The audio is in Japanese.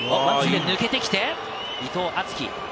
抜けてきて伊藤敦樹。